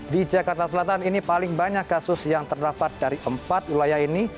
di jakarta selatan ini paling banyak kasus yang terdapat dari empat wilayah ini